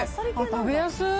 食べやすい。